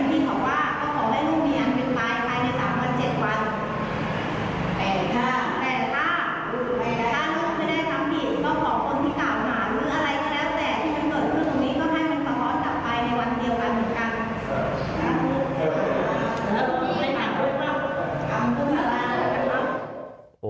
แต่ถ้า